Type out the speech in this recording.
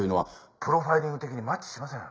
「プロファイリング的にマッチしません」